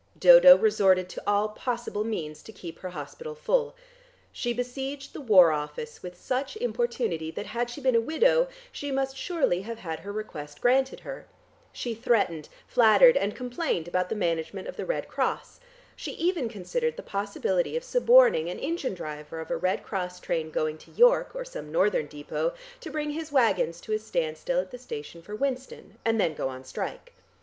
Dodo resorted to all possible means to keep her hospital full. She besieged the War Office with such importunity that, had she been a widow, she must surely have had her request granted her; she threatened, flattered, and complained about the management of the Red Cross, she even considered the possibility of suborning an engine driver of a Red Cross train going to York or some northern depôt, to bring his waggons to a standstill at the station for Winston, and then go on strike.